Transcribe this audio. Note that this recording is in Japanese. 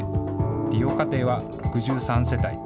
利用家庭は６３世帯。